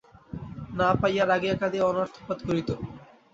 না পাইলে রাগিয়া কাঁদিয়া অনর্থপাত করিত।